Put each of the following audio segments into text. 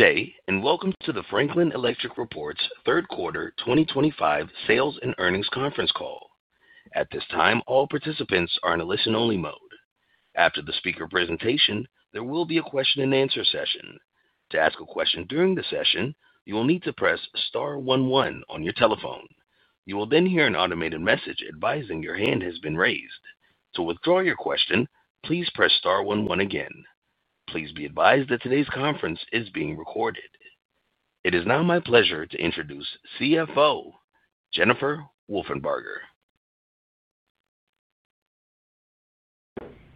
Today, and welcome to the Franklin Electric third quarter 2025 sales and earnings conference call. At this time, all participants are in a listen-only mode. After the speaker presentation, there will be a question and answer session. To ask a question during the session, you will need to press star one one on your telephone. You will then hear an automated message advising your hand has been raised. To withdraw your question, please press star one one again. Please be advised that today's conference is being recorded. It is now my pleasure to introduce CFO, Jennifer Wolfenbarger.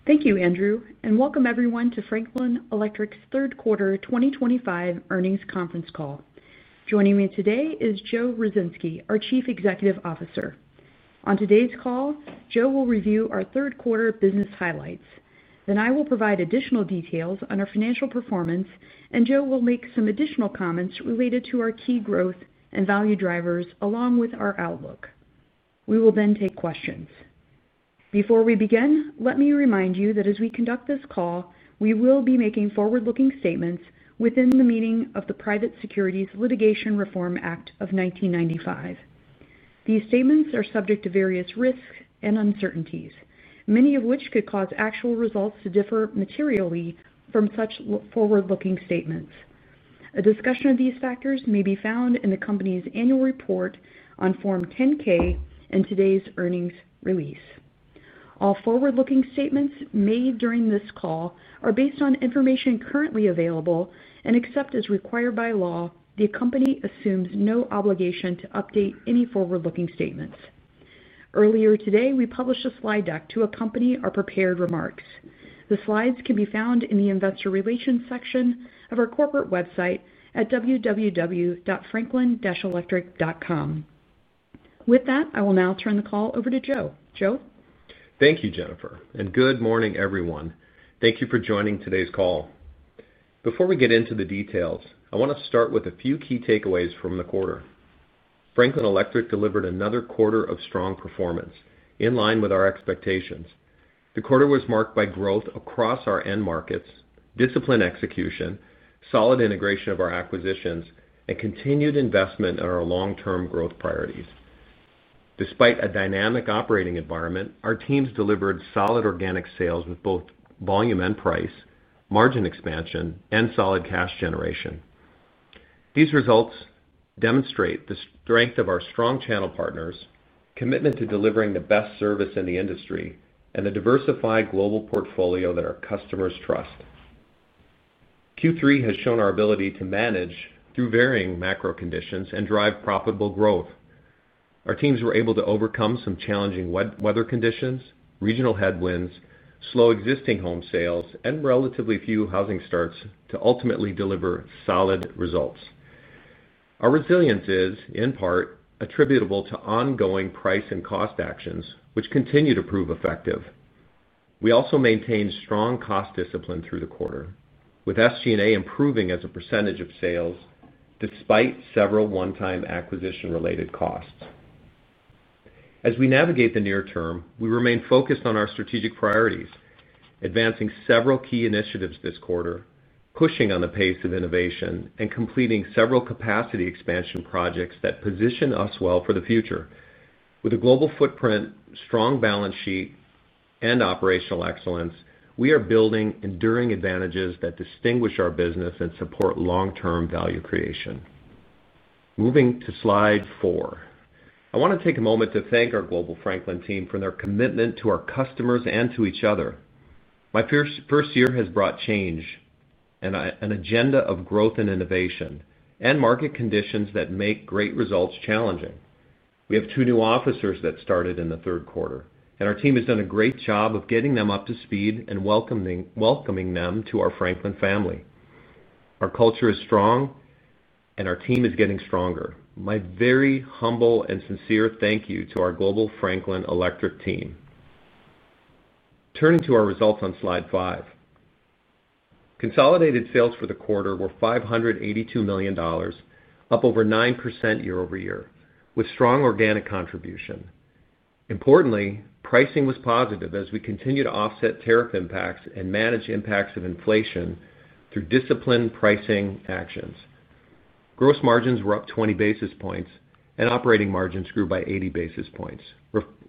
Thank you, Andrew, and welcome everyone to Franklin Electric's third quarter 2025 earnings conference call. Joining me today is Joe Ruzynski, our Chief Executive Officer. On today's call, Joe will review our third quarter business highlights. I will provide additional details on our financial performance, and Joe will make some additional comments related to our key growth and value drivers along with our outlook. We will then take questions. Before we begin, let me remind you that as we conduct this call, we will be making forward-looking statements within the meaning of the Private Securities Litigation Reform Act of 1995. These statements are subject to various risks and uncertainties, many of which could cause actual results to differ materially from such forward-looking statements. A discussion of these factors may be found in the company's annual report on Form 10-K and today's earnings release. All forward-looking statements made during this call are based on information currently available and, except as required by law, the company assumes no obligation to update any forward-looking statements. Earlier today, we published a slide deck to accompany our prepared remarks. The slides can be found in the investor relations section of our corporate website at www.franklin-electric.com. With that, I will now turn the call over to Joe. Joe? Thank you, Jennifer, and good morning, everyone. Thank you for joining today's call. Before we get into the details, I want to start with a few key takeaways from the quarter. Franklin Electric delivered another quarter of strong performance, in line with our expectations. The quarter was marked by growth across our end markets, disciplined execution, solid integration of our acquisitions, and continued investment in our long-term growth priorities. Despite a dynamic operating environment, our teams delivered solid organic sales with both volume and price, margin expansion, and solid cash generation. These results demonstrate the strength of our strong channel partners, commitment to delivering the best service in the industry, and the diversified global portfolio that our customers trust. Q3 has shown our ability to manage through varying macro conditions and drive profitable growth. Our teams were able to overcome some challenging weather conditions, regional headwinds, slow existing home sales, and relatively few housing starts to ultimately deliver solid results. Our resilience is, in part, attributable to ongoing price and cost actions, which continue to prove effective. We also maintained strong cost discipline through the quarter, with SG&A improving as a percentage of sales, despite several one-time acquisition-related costs. As we navigate the near term, we remain focused on our strategic priorities, advancing several key initiatives this quarter, pushing on the pace of innovation, and completing several capacity expansion projects that position us well for the future. With a global footprint, strong balance sheet, and operational excellence, we are building enduring advantages that distinguish our business and support long-term value creation. Moving to slide four, I want to take a moment to thank our global Franklin team for their commitment to our customers and to each other. My first year has brought change and an agenda of growth and innovation and market conditions that make great results challenging. We have two new officers that started in the third quarter, and our team has done a great job of getting them up to speed and welcoming them to our Franklin family. Our culture is strong, and our team is getting stronger. My very humble and sincere thank you to our global Franklin Electric team. Turning to our results on slide five, consolidated sales for the quarter were $582 million, up over 9% year-over-year, with strong organic contribution. Importantly, pricing was positive as we continue to offset tariff impacts and manage impacts of inflation through disciplined pricing actions. Gross margins were up 20 basis points, and operating margins grew by 80 basis points,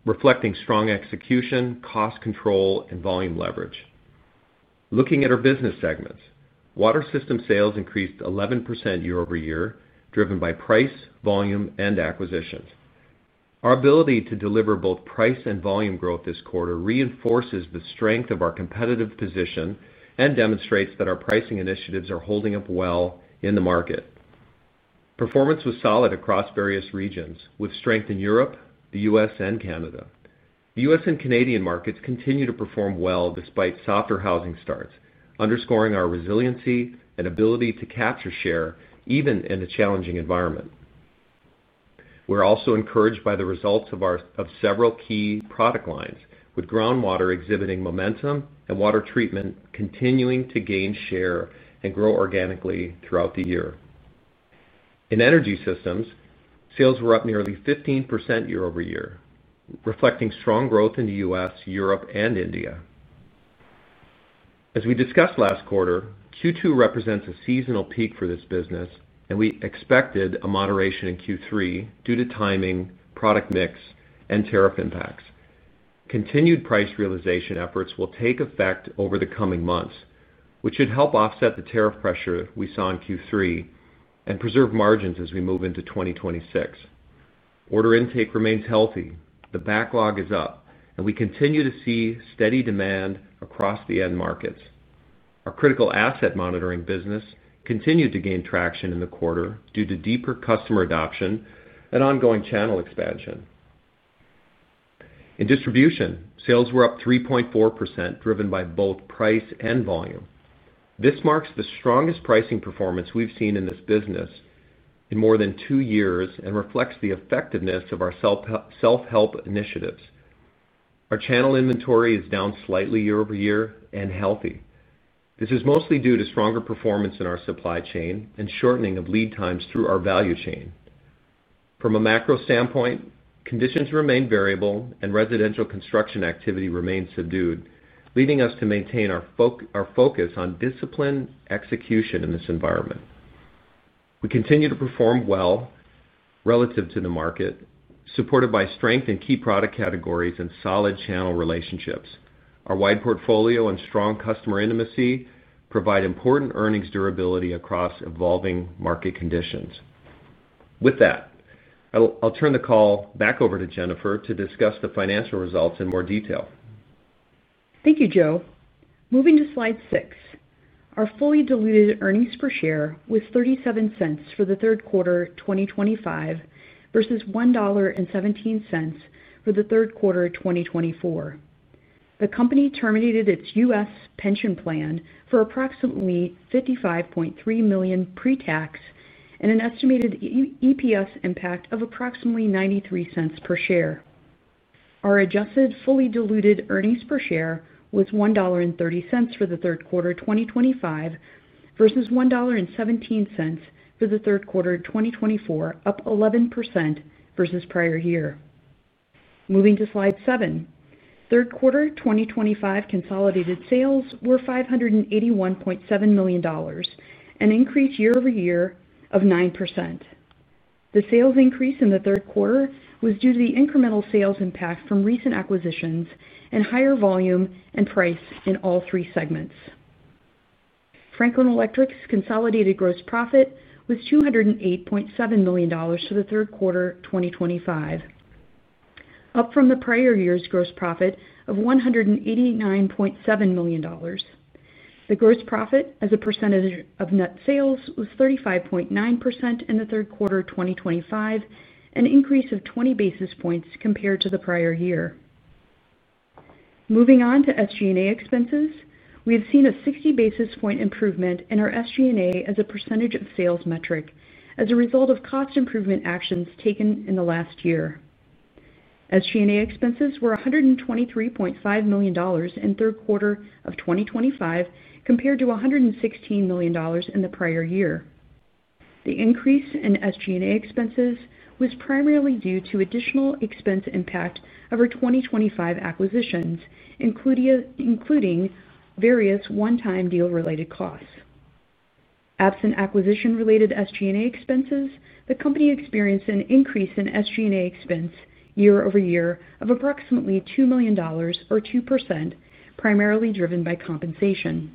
reflecting strong execution, cost control, and volume leverage. Looking at our business segments, water systems sales increased 11% year-over-year, driven by price, volume, and acquisitions. Our ability to deliver both price and volume growth this quarter reinforces the strength of our competitive position and demonstrates that our pricing initiatives are holding up well in the market. Performance was solid across various regions, with strength in Europe, the U.S., and Canada. The U.S. and Canadian markets continue to perform well despite softer housing starts, underscoring our resiliency and ability to capture share even in a challenging environment. We're also encouraged by the results of our several key product lines, with groundwater exhibiting momentum and water treatment continuing to gain share and grow organically throughout the year. In energy systems, sales were up nearly 15% year-over-year, reflecting strong growth in the U.S., Europe, and India. As we discussed last quarter, Q2 represents a seasonal peak for this business, and we expected a moderation in Q3 due to timing, product mix, and tariff impacts. Continued price realization efforts will take effect over the coming months, which should help offset the tariff pressure we saw in Q3 and preserve margins as we move into 2026. Order intake remains healthy, the backlog is up, and we continue to see steady demand across the end markets. Our critical asset monitoring business continued to gain traction in the quarter due to deeper customer adoption and ongoing channel expansion. In distribution, sales were up 3.4%, driven by both price and volume. This marks the strongest pricing performance we've seen in this business in more than two years and reflects the effectiveness of our self-help initiatives. Our channel inventory is down slightly year-over-year and healthy. This is mostly due to stronger performance in our supply chain and shortening of lead times through our value chain. From a macro standpoint, conditions remain variable and residential construction activity remains subdued, leading us to maintain our focus on disciplined execution in this environment. We continue to perform well relative to the market, supported by strength in key product categories and solid channel relationships. Our wide portfolio and strong customer intimacy provide important earnings durability across evolving market conditions. With that, I'll turn the call back over to Jennifer to discuss the financial results in more detail. Thank you, Joe. Moving to slide six, our fully diluted earnings per share was $0.37 for the third quarter 2025 versus $1.17 for the third quarter 2024. The company terminated its U.S. pension plan for approximately $55.3 million pre-tax and an estimated EPS impact of approximately $0.93 per share. Our adjusted fully diluted earnings per share was $1.30 for the third quarter 2025 versus $1.17 for the third quarter 2024, up 11% versus prior year. Moving to slide seven, third quarter 2025 consolidated sales were $581.7 million, an increase year-over-year of 9%. The sales increase in the third quarter was due to the incremental sales impact from recent acquisitions and higher volume and price in all three segments. Franklin Electric's consolidated gross profit was $208.7 million for the third quarter 2025, up from the prior year's gross profit of $189.7 million. The gross profit as a percentage of net sales was 35.9% in the third quarter 2025, an increase of 20 basis points compared to the prior year. Moving on to SG&A expenses, we have seen a 60 basis point improvement in our SG&A as a percentage of sales metric as a result of cost improvement actions taken in the last year. SG&A expenses were $123.5 million in third quarter of 2025 compared to $116 million in the prior year. The increase in SG&A expenses was primarily due to additional expense impact of our 2025 acquisitions, including various one-time deal-related costs. Absent acquisition-related SG&A expenses, the company experienced an increase in SG&A expense year-over-year of approximately $2 million or 2%, primarily driven by compensation.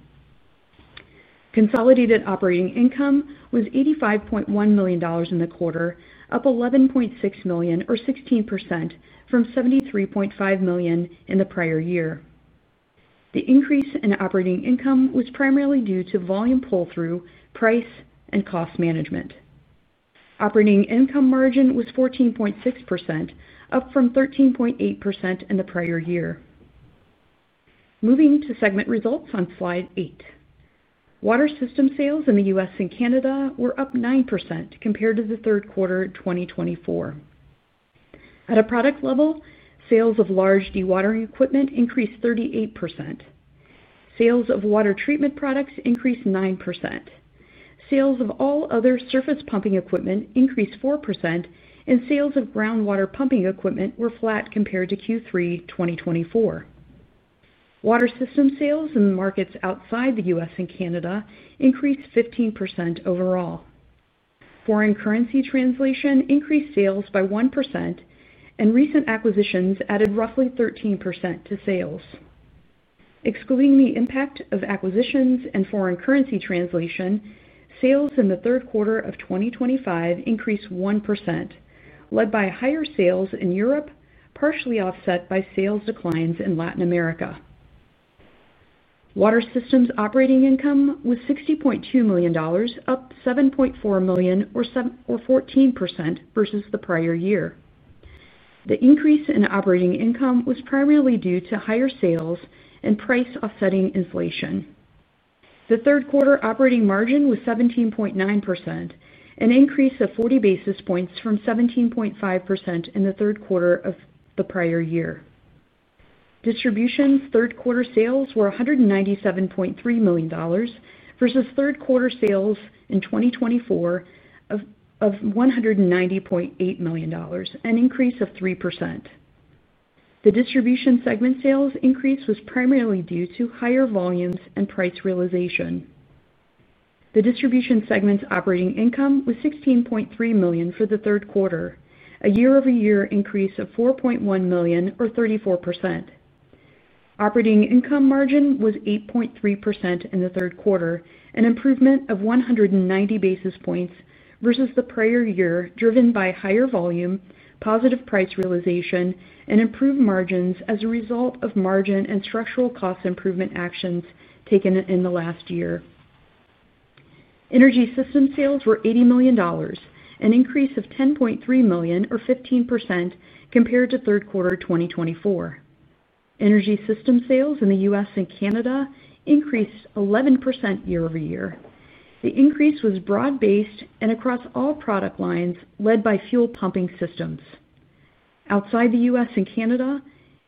Consolidated operating income was $85.1 million in the quarter, up $11.6 million or 16% from $73.5 million in the prior year. The increase in operating income was primarily due to volume pull-through, price, and cost management. Operating income margin was 14.6%, up from 13.8% in the prior year. Moving to segment results on slide eight, water systems sales in the U.S. and Canada were up 9% compared to the third quarter 2024. At a product level, sales of large dewatering equipment increased 38%. Sales of water treatment products increased 9%. Sales of all other surface pumping equipment increased 4%, and sales of groundwater pumping equipment were flat compared to Q3 2024. water systems sales in the markets outside the U.S. and Canada increased 15% overall. Foreign currency translation increased sales by 1%, and recent acquisitions added roughly 13% to sales. Excluding the impact of acquisitions and foreign currency translation, sales in the third quarter of 2025 increased 1%, led by higher sales in Europe, partially offset by sales declines in Latin America. Water systems operating income was $60.2 million, up $7.4 million or 14% versus the prior year. The increase in operating income was primarily due to higher sales and price offsetting inflation. The third quarter operating margin was 17.9%, an increase of 40 basis points from 17.5% in the third quarter of the prior year. Distribution's third quarter sales were $197.3 million versus third quarter sales in 2024 of $190.8 million, an increase of 3%. The distribution segment sales increase was primarily due to higher volumes and price realization. The distribution segment's operating income was $16.3 million for the third quarter, a year-over-year increase of $4.1 million or 34%. Operating income margin was 8.3% in the third quarter, an improvement of 190 basis points versus the prior year, driven by higher volume, positive price realization, and improved margins as a result of margin and structural cost improvement actions taken in the last year. Energy systems sales were $80 million, an increase of $10.3 million or 15% compared to third quarter 2024. Energy systems sales in the U.S. and Canada increased 11% year-over-year. The increase was broad-based and across all product lines, led by fuel pumping systems. Outside the U.S. and Canada,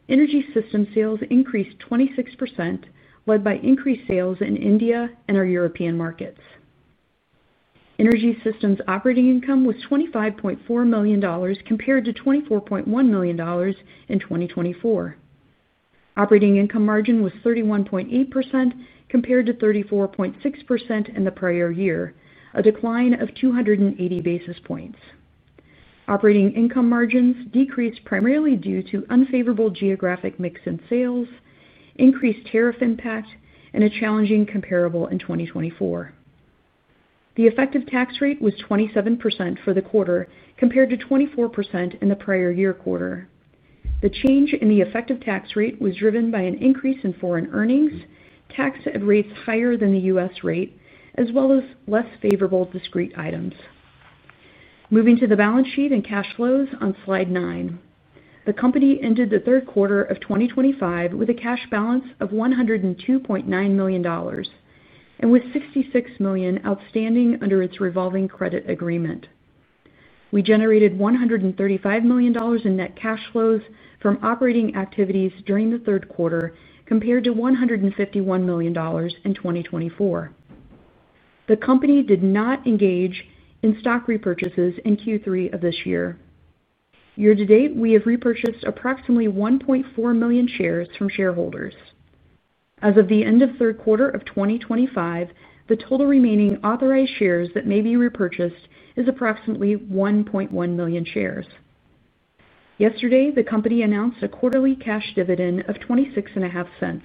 energy systems sales increased 26%, led by increased sales in India and our European markets. Energy systems operating income was $25.4 million compared to $24.1 million in 2024. Operating income margin was 31.8% compared to 34.6% in the prior year, a decline of 280 basis points. Operating income margins decreased primarily due to unfavorable geographic mix in sales, increased tariff impact, and a challenging comparable in 2024. The effective tax rate was 27% for the quarter compared to 24% in the prior year quarter. The change in the effective tax rate was driven by an increase in foreign earnings, tax at rates higher than the U.S. rate, as well as less favorable discrete items. Moving to the balance sheet and cash flows on slide nine, the company ended the third quarter of 2025 with a cash balance of $102.9 million and with $66 million outstanding under its revolving credit agreement. We generated $135 million in net cash flows from operating activities during the third quarter compared to $151 million in 2024. The company did not engage in stock repurchases in Q3 of this year. Year to date, we have repurchased approximately 1.4 million shares from shareholders. As of the end of the third quarter of 2025, the total remaining authorized shares that may be repurchased is approximately 1.1 million shares. Yesterday, the company announced a quarterly cash dividend of $0.265.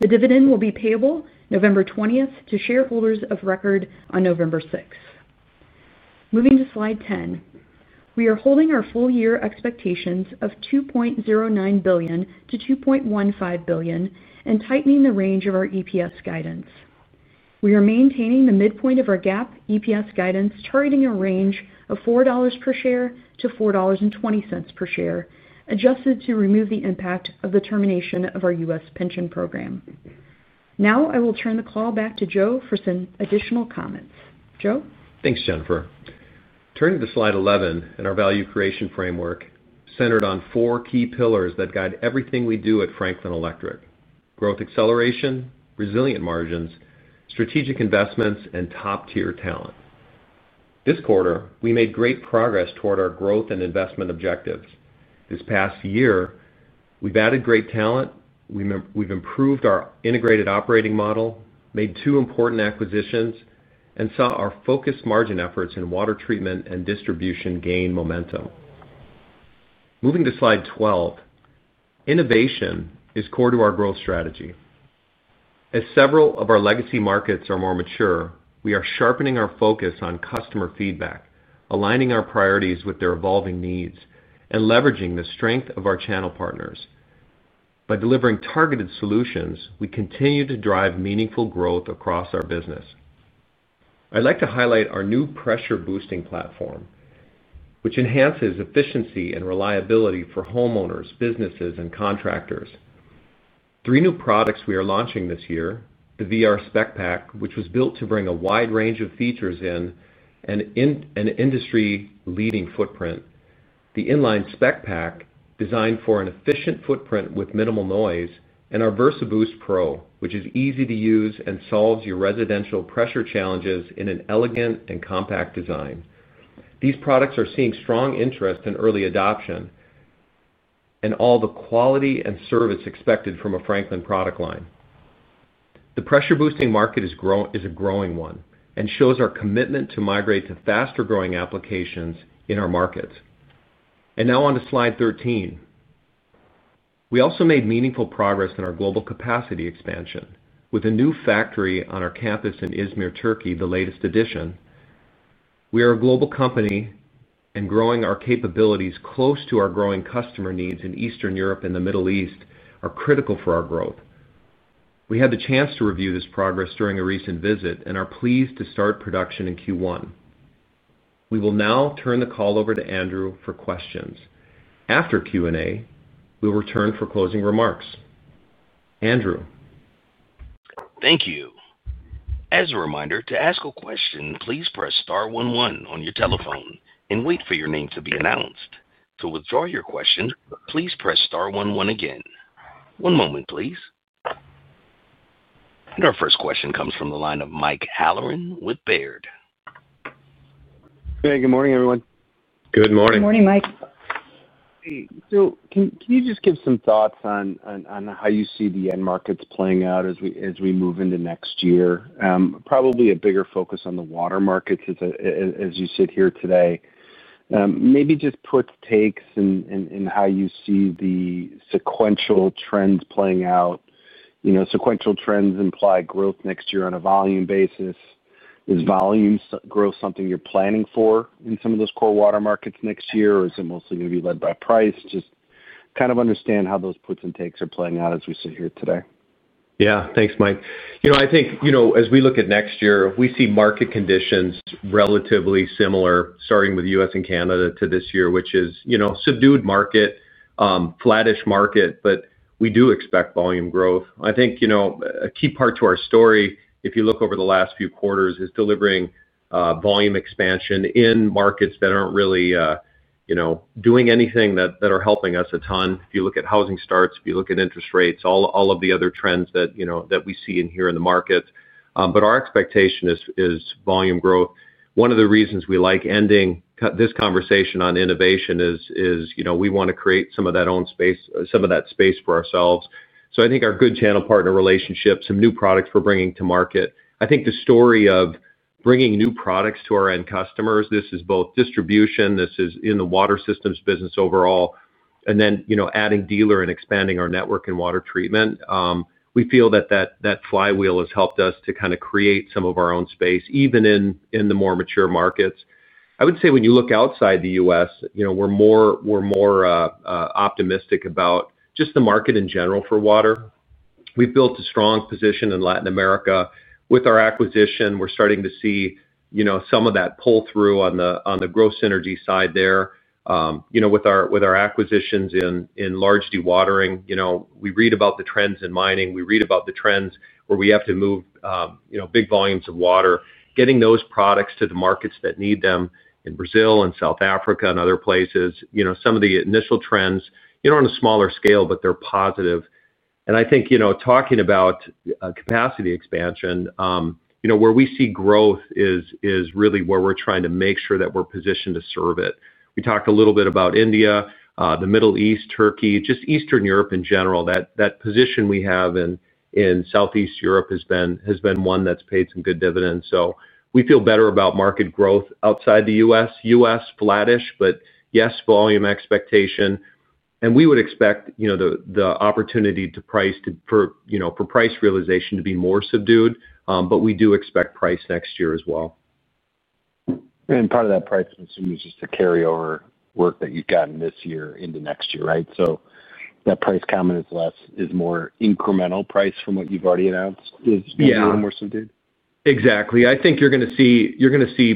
The dividend will be payable November 20th to shareholders of record on November 6th. Moving to slide 10, we are holding our full-year expectations of $2.09 billion-$2.15 billion and tightening the range of our EPS guidance. We are maintaining the midpoint of our GAAP EPS guidance, targeting a range of $4 per share-$4.20 per share, adjusted to remove the impact of the termination of our U.S. pension program. Now I will turn the call back to Joe for some additional comments. Joe? Thanks, Jennifer. Turning to slide 11 in our value creation framework, centered on four key pillars that guide everything we do at Franklin Electric: growth acceleration, resilient margins, strategic investments, and top-tier talent. This quarter, we made great progress toward our growth and investment objectives. This past year, we've added great talent, we've improved our integrated operating model, made two important acquisitions, and saw our focused margin efforts in water treatment and distribution gain momentum. Moving to slide 12, innovation is core to our growth strategy. As several of our legacy markets are more mature, we are sharpening our focus on customer feedback, aligning our priorities with their evolving needs, and leveraging the strength of our channel partners. By delivering targeted solutions, we continue to drive meaningful growth across our business. I'd like to highlight our new pressure-boosting platform, which enhances efficiency and reliability for homeowners, businesses, and contractors. Three new products we are launching this year: the VR SpecPAK, which was built to bring a wide range of features in an industry-leading footprint; the Inline SpecPAK, designed for an efficient footprint with minimal noise; and our VersaBoost Pro, which is easy to use and solves your residential pressure challenges in an elegant and compact design. These products are seeing strong interest in early adoption and all the quality and service expected from a Franklin product line. The pressure-boosting market is a growing one and shows our commitment to migrate to faster-growing applications in our markets. Now on to slide 13. We also made meaningful progress in our global capacity expansion with a new factory on our campus in İzmir, Turkey, the latest addition. We are a global company, and growing our capabilities close to our growing customer needs in Eastern Europe and the Middle East are critical for our growth. We had the chance to review this progress during a recent visit and are pleased to start production in Q1. We will now turn the call over to Andrew for questions. After Q&A, we'll return for closing remarks. Andrew. Thank you. As a reminder, to ask a question, please press star one one on your telephone and wait for your name to be announced. To withdraw your question, please press star one one again. One moment, please. Our first question comes from the line of Mike Halloran with Baird. Good morning, everyone. Good morning. Good morning, Mike. Hey, can you just give some thoughts on how you see the end markets playing out as we move into next year? Probably a bigger focus on the water markets, as you sit here today. Maybe just put takes in how you see the sequential trends playing out. You know, sequential trends imply growth next year on a volume basis. Is volume growth something you're planning for in some of those core water markets next year, or is it mostly going to be led by price? Just kind of understand how those puts and takes are playing out as we sit here today. Yeah, thanks, Mike. As we look at next year, we see market conditions relatively similar, starting with the U.S. and Canada to this year, which is a subdued market, flattish market, but we do expect volume growth. A key part to our story, if you look over the last few quarters, is delivering volume expansion in markets that aren't really doing anything that are helping us a ton. If you look at housing starts, if you look at interest rates, all of the other trends that we see in the markets. Our expectation is volume growth. One of the reasons we like ending this conversation on innovation is we want to create some of that own space, some of that space for ourselves. Our good channel partner relationships, some new products we're bringing to market. The story of bringing new products to our end customers, this is both distribution, this is in the water systems business overall, and then adding dealer and expanding our network in water treatment. We feel that that flywheel has helped us to kind of create some of our own space, even in the more mature markets. When you look outside the U.S., we're more optimistic about just the market in general for water. We've built a strong position in Latin America with our acquisition. We're starting to see some of that pull-through on the gross energy side there. With our acquisitions in large dewatering, we read about the trends in mining. We read about the trends where we have to move big volumes of water, getting those products to the markets that need them in Brazil and South Africa and other places. Some of the initial trends, on a smaller scale, but they're positive. Talking about capacity expansion, where we see growth is really where we're trying to make sure that we're positioned to serve it. We talked a little bit about India, the Middle East, Turkey, just Eastern Europe in general. That position we have in Southeast Europe has been one that's paid some good dividends. We feel better about market growth outside the U.S. U.S., flattish, but yes, volume expectation. We would expect the opportunity to price for price realization to be more subdued, but we do expect price next year as well. Part of that price subsidy is just the carryover work that you've gotten this year into next year, right? That price comment is less, is more incremental price from what you've already announced, is a little more subdued? Yeah, exactly. I think you're going to see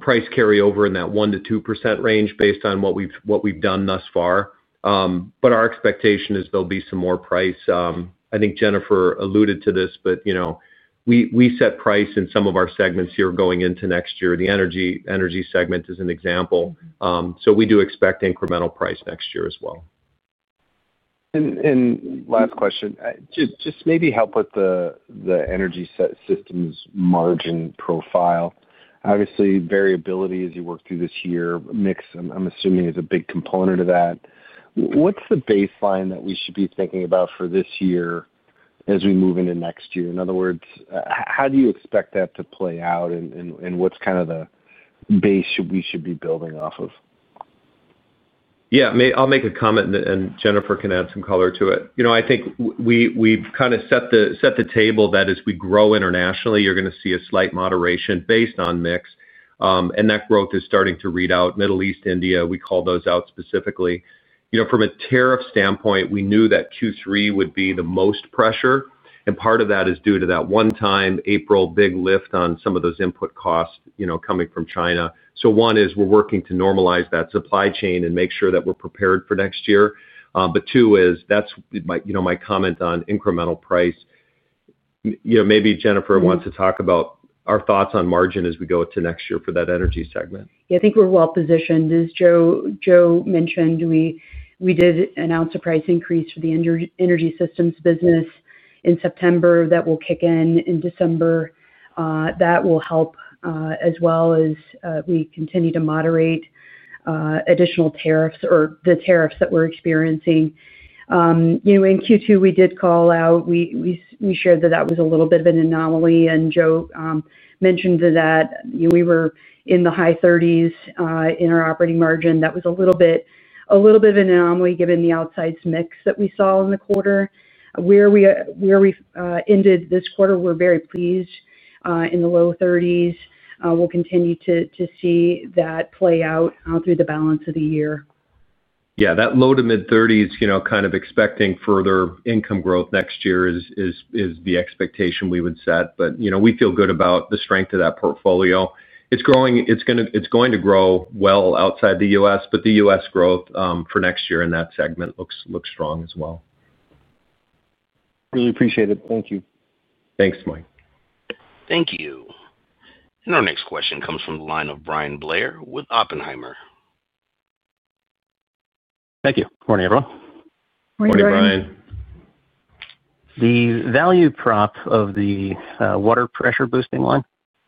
price carryover in that 1%-2% range based on what we've done thus far. Our expectation is there'll be some more price. I think Jennifer alluded to this, but you know, we set price in some of our segments here going into next year. The energy systems segment is an example. We do expect incremental price next year as well. Maybe help with the energy systems margin profile. Obviously, variability as you work through this year, mix, I'm assuming, is a big component of that. What's the baseline that we should be thinking about for this year as we move into next year? In other words, how do you expect that to play out and what's kind of the base we should be building off of? Yeah, I'll make a comment and Jennifer can add some color to it. I think we've kind of set the table that as we grow internationally, you're going to see a slight moderation based on mix. That growth is starting to read out. Middle East, India, we call those out specifically. From a tariff standpoint, we knew that Q3 would be the most pressure. Part of that is due to that one-time April big lift on some of those input costs coming from China. One is we're working to normalize that supply chain and make sure that we're prepared for next year. Two is that's my comment on incremental price. Maybe Jennifer wants to talk about our thoughts on margin as we go to next year for that energy segment. Yeah, I think we're well positioned. As Joe mentioned, we did announce a price increase for the energy systems business in September that will kick in in December. That will help as well as we continue to moderate additional tariffs or the tariffs that we're experiencing. In Q2, we did call out, we shared that that was a little bit of an anomaly and Joe mentioned that we were in the high 30% in our operating margin. That was a little bit of an anomaly given the outside's mix that we saw in the quarter. Where we ended this quarter, we're very pleased in the low 30%. We'll continue to see that play out through the balance of the year. Yeah, that low to mid 30%, kind of expecting further income growth next year is the expectation we would set. You know, we feel good about the strength of that portfolio. It's growing, it's going to grow well outside the U.S., but the U.S. growth for next year in that segment looks strong as well. Really appreciate it. Thank you. Thanks, Mike. Thank you. Our next question comes from the line of Bryan Blair with Oppenheimer. Thank you. Morning, everyone. Morning, Bryan. Morning, Bryan. The value prop of the water pressure boosting one,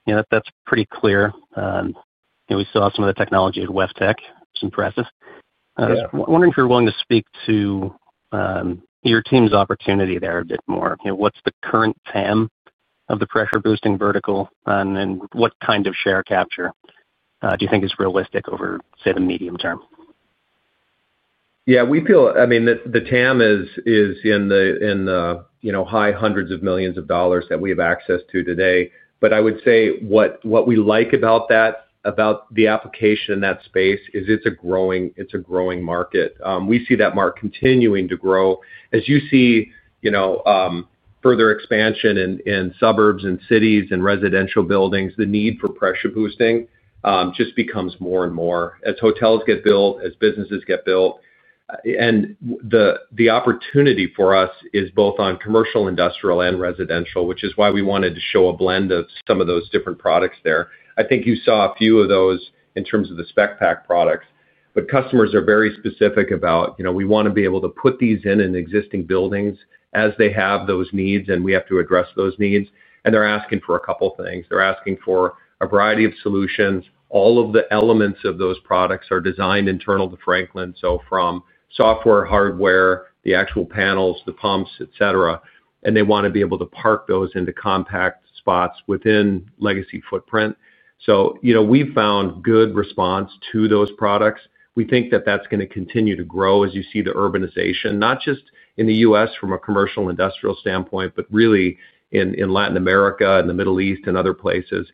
you know, that's pretty clear. We saw some of the technology at WEFTEC, which is impressive. I was wondering if you're willing to speak to your team's opportunity there a bit more. What's the current TAM of the pressure boosting vertical, and what kind of share capture do you think is realistic over, say, the medium term? Yeah, we feel the TAM is in the high hundreds of millions of dollars that we have access to today. I would say what we like about that, about the application in that space is it's a growing market. We see that market continuing to grow. As you see further expansion in suburbs and cities and residential buildings, the need for pressure boosting just becomes more and more as hotels get built, as businesses get built. The opportunity for us is both on commercial, industrial, and residential, which is why we wanted to show a blend of some of those different products there. I think you saw a few of those in terms of the SpecPAK products. Customers are very specific about, you know, we want to be able to put these in in existing buildings as they have those needs and we have to address those needs. They're asking for a couple of things. They're asking for a variety of solutions. All of the elements of those products are designed internal to Franklin. From software, hardware, the actual panels, the pumps, etc. They want to be able to park those into compact spots within legacy footprint. We've found good response to those products. We think that that's going to continue to grow as you see the urbanization, not just in the U.S. from a commercial industrial standpoint, but really in Latin America, in the Middle East, and other places.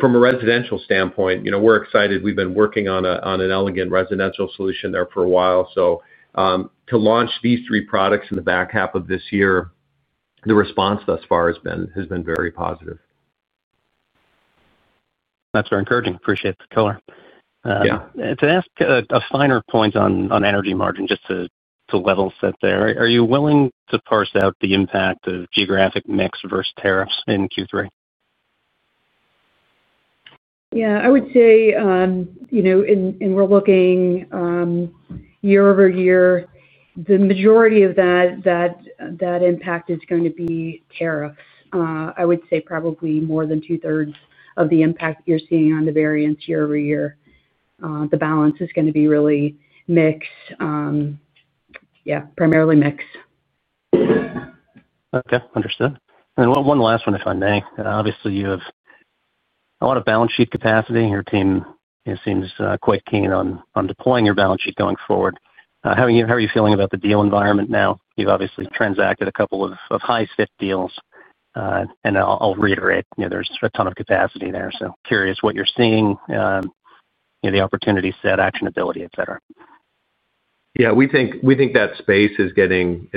From a residential standpoint, we're excited. We've been working on an elegant residential solution there for a while. To launch these three products in the back half of this year, the response thus far has been very positive. That's very encouraging. Appreciate the color. Yeah. To ask a finer point on energy systems margin, just to level set there, are you willing to parse out the impact of geographic mix versus tariffs in Q3? I would say, you know, when we're looking year-over-year, the majority of that impact is going to be tariffs. I would say probably more than two-thirds of the impact that you're seeing on the variance year-over-year. The balance is going to be really mix, primarily mix. Okay, understood. One last one, if I may. Obviously, you have a lot of balance sheet capacity. Your team seems quite keen on deploying your balance sheet going forward. How are you feeling about the deal environment now? You've obviously transacted a couple of high-spec deals. I'll reiterate, there's a ton of capacity there. Curious what you're seeing, the opportunity set, actionability, etc. Yeah, we think that space is getting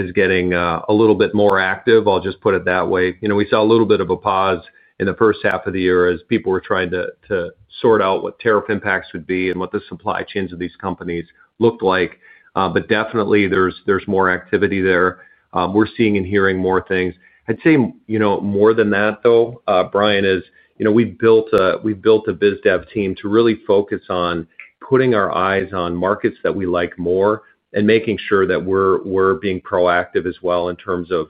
a little bit more active. I'll just put it that way. We saw a little bit of a pause in the first half of the year as people were trying to sort out what tariff impacts would be and what the supply chains of these companies looked like. Definitely, there's more activity there. We're seeing and hearing more things. I'd say, more than that though, Bryan, is we've built a biz dev team to really focus on putting our eyes on markets that we like more and making sure that we're being proactive as well in terms of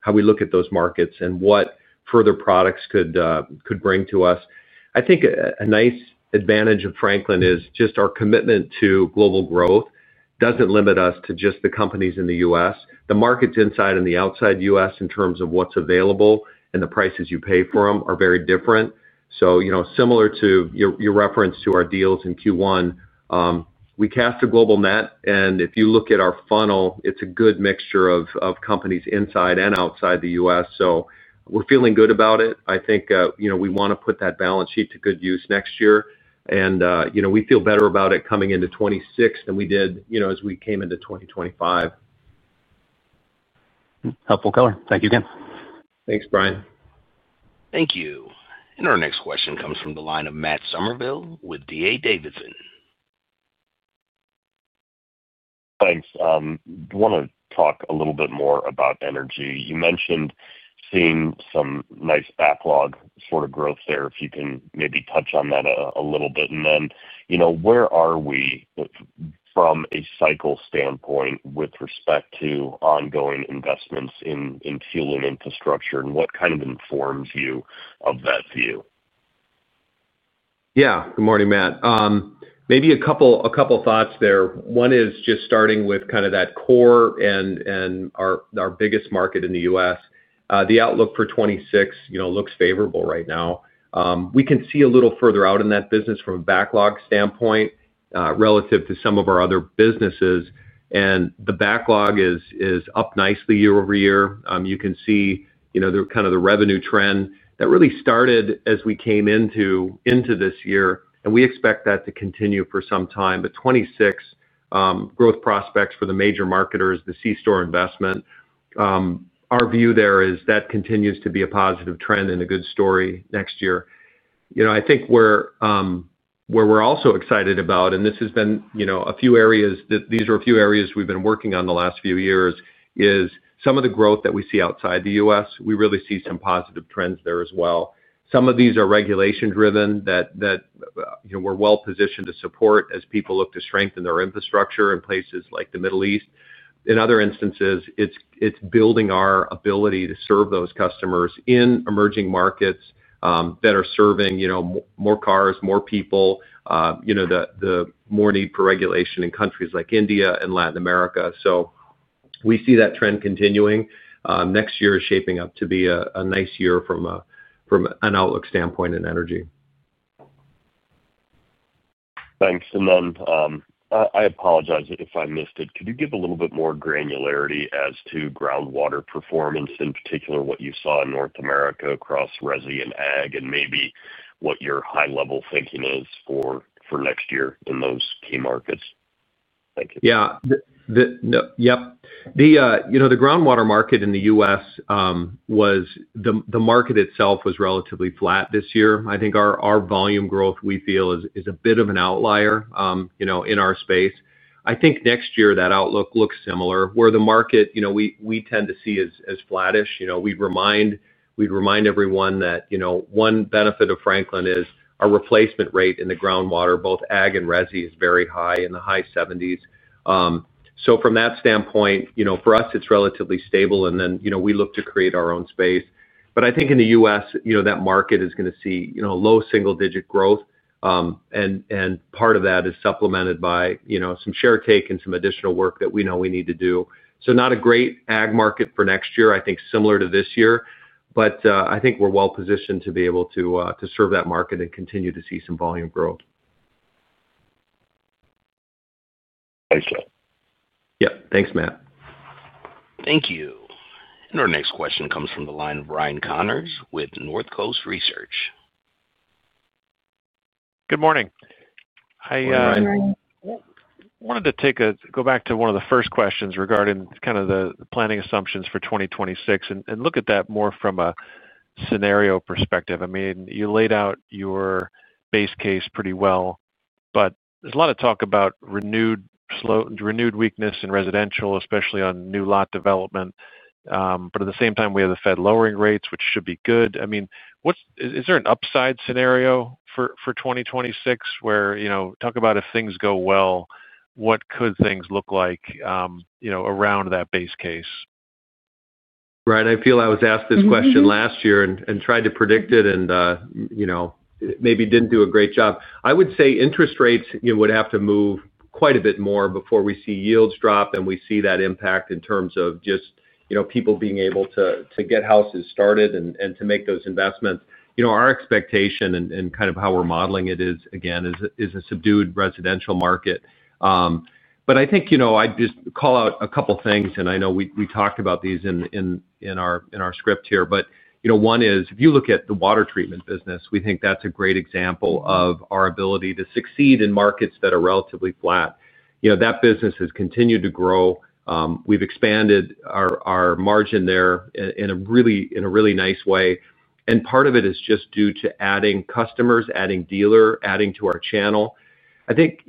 how we look at those markets and what further products could bring to us. I think a nice advantage of Franklin is just our commitment to global growth doesn't limit us to just the companies in the U.S. The markets inside and outside the U.S. in terms of what's available and the prices you pay for them are very different. Similar to your reference to our deals in Q1, we cast a global net. If you look at our funnel, it's a good mixture of companies inside and outside the U.S. We're feeling good about it. I think we want to put that balance sheet to good use next year. We feel better about it coming into 2026 than we did as we came into 2025. Helpful color. Thank you again. Thanks, Bryan. Thank you. Our next question comes from the line of Matt Summerville with D.A. Davidson. Thanks. I want to talk a little bit more about energy. You mentioned seeing some nice backlog growth there, if you can maybe touch on that a little bit. You know, where are we from a cycle standpoint with respect to ongoing investments in fuel and infrastructure and what kind of informs you of that view? Yeah, good morning, Matt. Maybe a couple of thoughts there. One is just starting with kind of that core and our biggest market in the U.S. The outlook for 2026, you know, looks favorable right now. We can see a little further out in that business from a backlog standpoint relative to some of our other businesses, and the backlog is up nicely year-over-year. You can see, you know, kind of the revenue trend that really started as we came into this year, and we expect that to continue for some time. The 2026 growth prospects for the major marketers, the C-Store Investment, our view there is that continues to be a positive trend and a good story next year. I think where we're also excited about, and this has been, you know, a few areas that these are a few areas we've been working on the last few years, is some of the growth that we see outside the U.S. We really see some positive trends there as well. Some of these are regulation-driven that, you know, we're well positioned to support as people look to strengthen their infrastructure in places like the Middle East. In other instances, it's building our ability to serve those customers in emerging markets that are serving, you know, more cars, more people, you know, the more need for regulation in countries like India and Latin America. We see that trend continuing. Next year is shaping up to be a nice year from an outlook standpoint in energy. Thanks. I apologize if I missed it. Could you give a little bit more granularity as to groundwater performance, in particular what you saw in North America across resident ag and maybe what your high-level thinking is for next year in those key markets? Thank you. Yeah. The groundwater market in the U.S. was, the market itself was relatively flat this year. I think our volume growth we feel is a bit of an outlier in our space. I think next year that outlook looks similar where the market we tend to see as flattish. We'd remind everyone that one benefit of Franklin is our replacement rate in the groundwater, both ag and resi, is very high in the high 70%. From that standpoint, for us, it's relatively stable. We look to create our own space. I think in the U.S., that market is going to see low single-digit growth. Part of that is supplemented by some share take and some additional work that we know we need to do. Not a great ag market for next year, I think similar to this year. I think we're well positioned to be able to serve that market and continue to see some volume growth. Thanks, Joe. Yep, thanks, Matt. Thank you. Our next question comes from the line of Ryan Connors with Northcoast Research. Good morning. Good morning, Ryan. I wanted to go back to one of the first questions regarding the planning assumptions for 2026 and look at that more from a scenario perspective. You laid out your base case pretty well, but there's a lot of talk about renewed weakness in residential, especially on new lot development. At the same time, we have the Fed lowering rates, which should be good. Is there an upside scenario for 2026 where, if things go well, what could things look like around that base case? Right. I feel I was asked this question last year and tried to predict it and maybe didn't do a great job. I would say interest rates would have to move quite a bit more before we see yields drop and we see that impact in terms of just people being able to get houses started and to make those investments. Our expectation and kind of how we're modeling it is, again, is a subdued residential market. I think I'd just call out a couple of things, and I know we talked about these in our script here. One is if you look at the water treatment business, we think that's a great example of our ability to succeed in markets that are relatively flat. That business has continued to grow. We've expanded our margin there in a really nice way. Part of it is just due to adding customers, adding dealer, adding to our channel. I think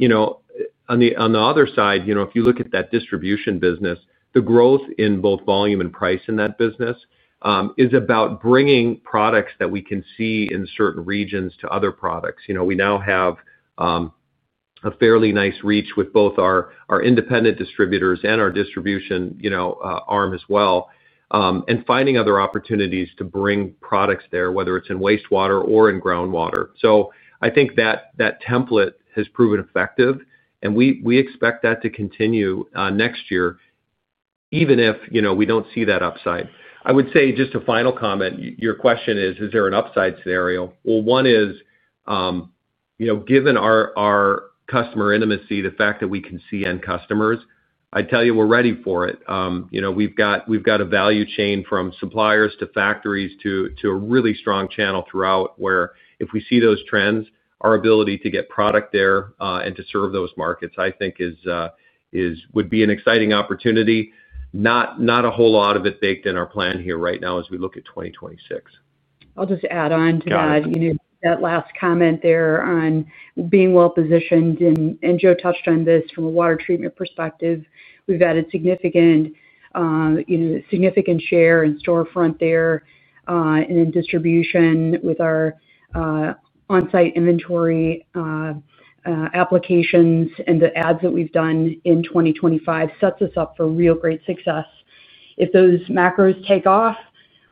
on the other side, if you look at that distribution business, the growth in both volume and price in that business is about bringing products that we can see in certain regions to other products. We now have a fairly nice reach with both our independent distributors and our distribution arm as well. Finding other opportunities to bring products there, whether it's in wastewater or in groundwater. I think that template has proven effective. We expect that to continue next year, even if we don't see that upside. I would say just a final comment. Your question is, is there an upside scenario? One is, given our customer intimacy, the fact that we can see end customers, I'd tell you we're ready for it. We've got a value chain from suppliers to factories to a really strong channel throughout where if we see those trends, our ability to get product there and to serve those markets, I think, would be an exciting opportunity. Not a whole lot of it baked in our plan here right now as we look at 2026. I'll just add on to that. You know, that last comment there on being well positioned. Joe touched on this from a water treatment perspective. We've added significant share in storefront there, and then distribution with our onsite inventory applications and the ads that we've done in 2025 sets us up for real great success. If those macros take off,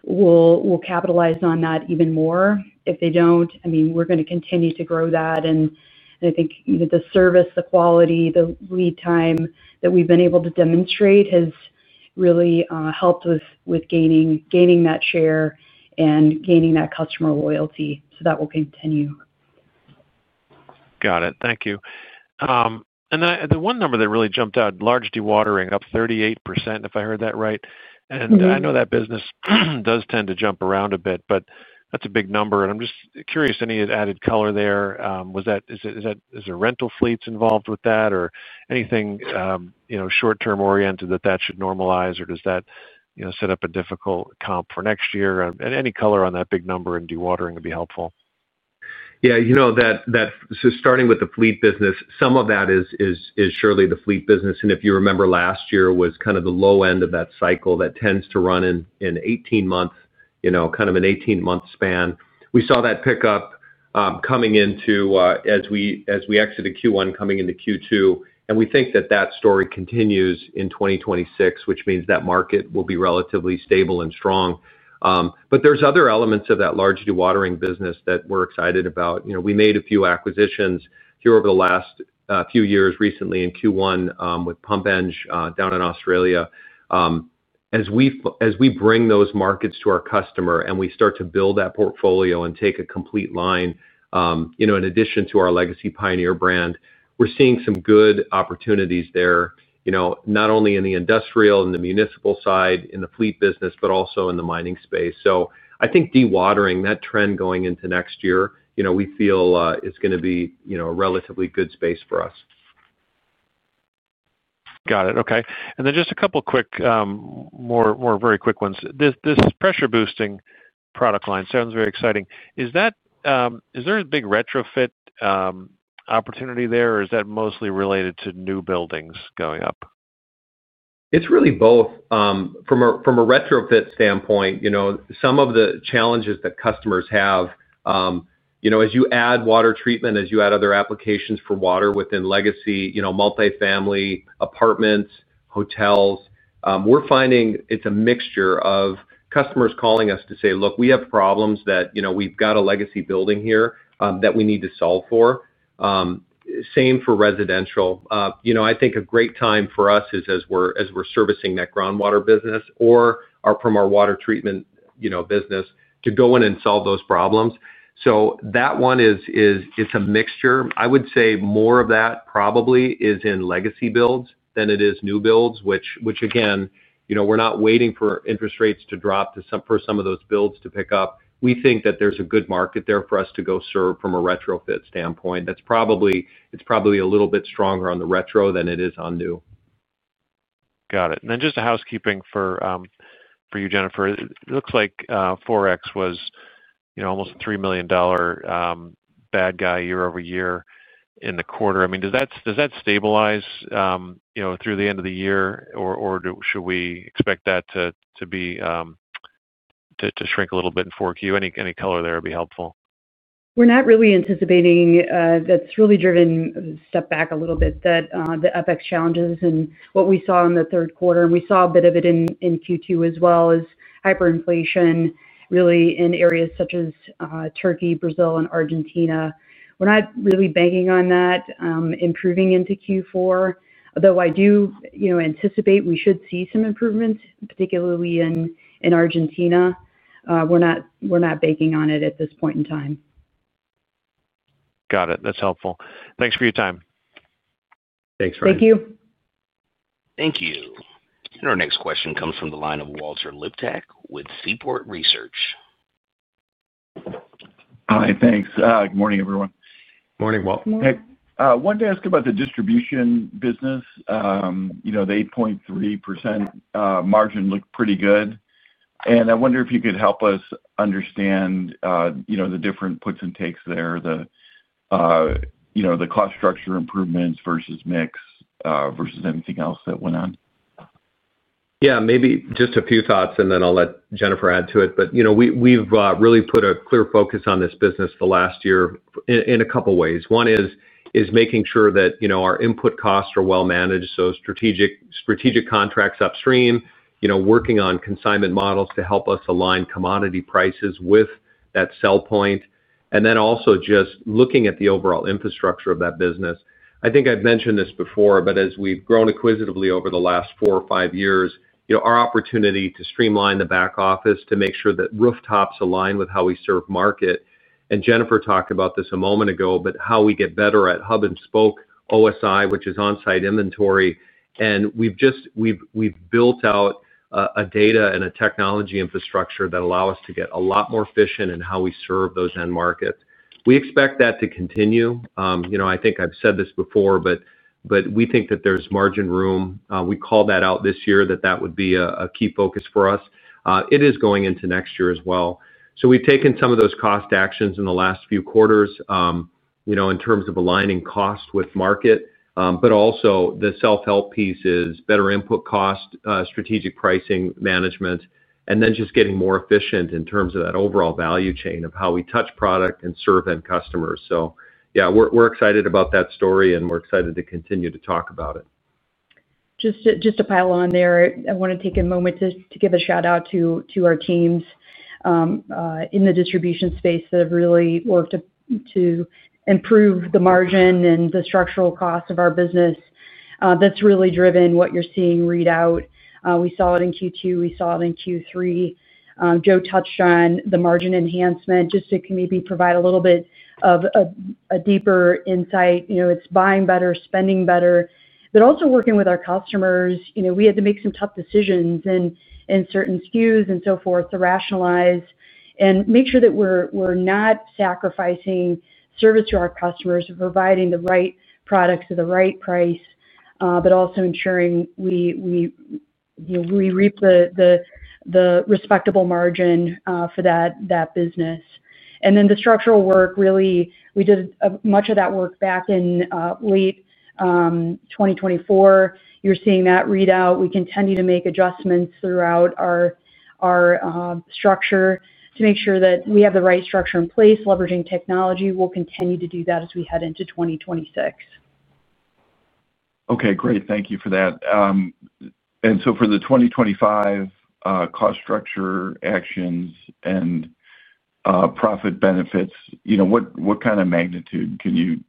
we'll capitalize on that even more. If they don't, I mean, we're going to continue to grow that. I think the service, the quality, the lead time that we've been able to demonstrate has really helped with gaining that share and gaining that customer loyalty. That will continue. Got it. Thank you. The one number that really jumped out, large dewatering up 38%, if I heard that right. I know that business does tend to jump around a bit, but that's a big number. I'm just curious, any added color there? Is there rental fleets involved with that or anything short-term oriented that should normalize, or does that set up a difficult comp for next year? Any color on that big number in dewatering would be helpful. Yeah, you know, starting with the fleet business, some of that is surely the fleet business. If you remember, last year was kind of the low end of that cycle that tends to run in 18 months, you know, kind of an 18-month span. We saw that pick up coming into as we exited Q1, coming into Q2. We think that story continues in 2026, which means that market will be relatively stable and strong. There are other elements of that large dewatering business that we're excited about. We made a few acquisitions here over the last few years, recently in Q1 with PumpEng down in Australia. As we bring those markets to our customer and we start to build that portfolio and take a complete line, in addition to our legacy Pioneer brand, we're seeing some good opportunities there, not only in the industrial and the municipal side in the fleet business, but also in the mining space. I think dewatering, that trend going into next year, we feel is going to be a relatively good space for us. Got it. Okay. Just a couple of quick, more very quick ones. This pressure boosting product line sounds very exciting. Is that, is there a big retrofit opportunity there or is that mostly related to new buildings going up? It's really both. From a retrofit standpoint, some of the challenges that customers have, as you add water treatment, as you add other applications for water within legacy multifamily apartments, hotels, we're finding it's a mixture of customers calling us to say, look, we have problems that we've got a legacy building here that we need to solve for. Same for residential. I think a great time for us is as we're servicing that groundwater business or from our water treatment business to go in and solve those problems. That one is, it's a mixture. I would say more of that probably is in legacy builds than it is new builds, which again, we're not waiting for interest rates to drop for some of those builds to pick up. We think that there's a good market there for us to go serve from a retrofit standpoint. It's probably a little bit stronger on the retro than it is on new. Got it. Just a housekeeping for you, Jennifer. It looks like forex was almost a $3 million bad guy year-over-year in the quarter. Does that stabilize through the end of the year or should we expect that to shrink a little bit in 4Q? Any color there would be helpful. We're not really anticipating, that's really driven a step back a little bit, the FX challenges and what we saw in the third quarter. We saw a bit of it in Q2 as well as hyperinflation really in areas such as Turkey, Brazil, and Argentina. We're not really banking on that improving into Q4. Though I do anticipate we should see some improvements, particularly in Argentina. We're not banking on it at this point in time. Got it. That's helpful. Thanks for your time. Thanks, Ryan. Thank you. Thank you. Our next question comes from the line of Walter Liptak with Seaport Research. Hi, thanks. Good morning, everyone. Morning. Morning. One to ask about the distribution business. The 8.3% margin looked pretty good. I wonder if you could help us understand the different puts and takes there, the cost structure improvements versus mix versus anything else that went on. Maybe just a few thoughts and then I'll let Jennifer add to it. We've really put a clear focus on this business the last year in a couple of ways. One is making sure that our input costs are well managed. Strategic contracts upstream, working on consignment models to help us align commodity prices with that sell point, and then also just looking at the overall infrastructure of that business. I think I've mentioned this before, but as we've grown inquisitively over the last four or five years, our opportunity to streamline the back office to make sure that rooftops align with how we serve market. Jennifer talked about this a moment ago, how we get better at hub and spoke OSI, which is onsite inventory. We've built out a data and a technology infrastructure that allow us to get a lot more efficient in how we serve those end markets. We expect that to continue. I think I've said this before, but we think that there's margin room. We called that out this year that that would be a key focus for us. It is going into next year as well. We've taken some of those cost actions in the last few quarters in terms of aligning cost with market, but also the self-help pieces, better input costs, strategic pricing management, and then just getting more efficient in terms of that overall value chain of how we touch product and serve end customers. We're excited about that story and we're excited to continue to talk about it. Just to pile on there, I want to take a moment to give a shout out to our teams in the distribution space that have really worked to improve the margin and the structural cost of our business. That's really driven what you're seeing read out. We saw it in Q2. We saw it in Q3. Joe touched on the margin enhancement just to maybe provide a little bit of a deeper insight. It's buying better, spending better, but also working with our customers. We had to make some tough decisions in certain SKUs and so forth to rationalize and make sure that we're not sacrificing service to our customers and providing the right products at the right price, but also ensuring we reap the respectable margin for that business. The structural work really, we did much of that work back in late 2024. You're seeing that read out. We continue to make adjustments throughout our structure to make sure that we have the right structure in place, leveraging technology. We'll continue to do that as we head into 2026. Okay, great. Thank you for that. For the 2025 cost structure actions and profit benefits, what kind of magnitude can you,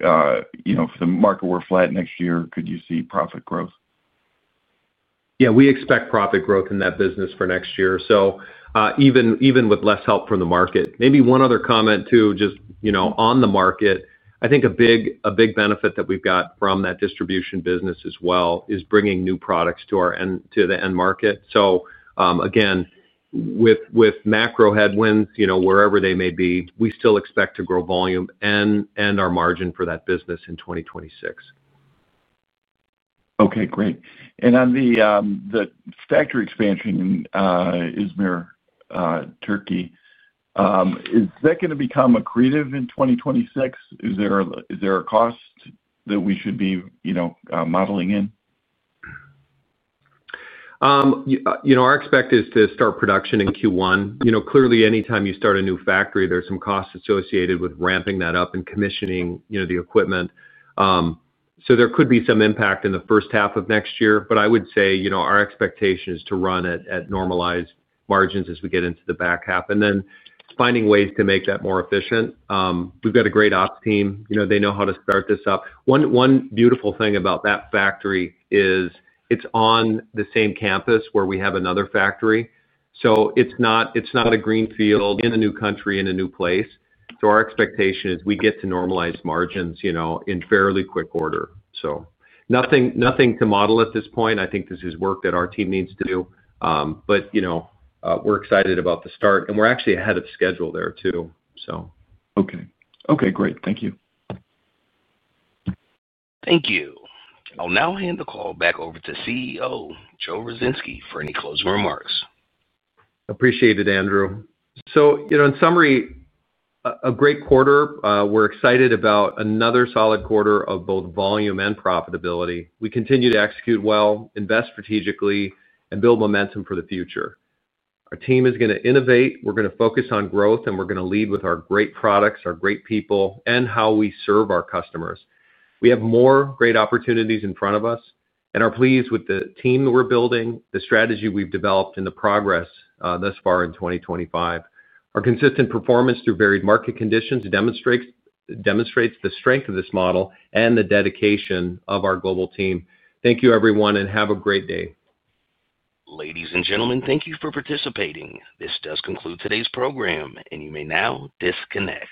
for the market we're flat next year, could you see profit growth? Yeah, we expect profit growth in that business for next year, even with less help from the market. Maybe one other comment too, just on the market. I think a big benefit that we've got from that distribution business as well is bringing new products to the end market. With macro headwinds, wherever they may be, we still expect to grow volume and our margin for that business in 2026. Okay, great. On the factory expansion in İzmir, Turkey, is that going to become accretive in 2026? Is there a cost that we should be modeling in? Our expect is to start production in Q1. Clearly, anytime you start a new factory, there's some costs associated with ramping that up and commissioning the equipment. There could be some impact in the first half of next year, but I would say our expectation is to run it at normalized margins as we get into the back half, then finding ways to make that more efficient. We've got a great ops team. They know how to start this up. One beautiful thing about that factory is it's on the same campus where we have another factory. It's not a green field in a new country, in a new place. Our expectation is we get to normalized margins in fairly quick order. Nothing to model at this point. I think this is work that our team needs to do. We're excited about the start and we're actually ahead of schedule there too. Okay, great. Thank you. Thank you. I'll now hand the call back over to CEO Joe Ruzynski for any closing remarks. Appreciate it, Andrew. In summary, a great quarter. We're excited about another solid quarter of both volume and profitability. We continue to execute well, invest strategically, and build momentum for the future. Our team is going to innovate. We're going to focus on growth and we're going to lead with our great products, our great people, and how we serve our customers. We have more great opportunities in front of us and are pleased with the team that we're building, the strategy we've developed, and the progress thus far in 2025. Our consistent performance through varied market conditions demonstrates the strength of this model and the dedication of our global team. Thank you, everyone, and have a great day. Ladies and gentlemen, thank you for participating. This does conclude today's program, and you may now disconnect.